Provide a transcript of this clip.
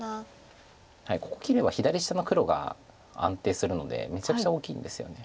ここ切れば左下の黒が安定するのでめちゃくちゃ大きいんですよね。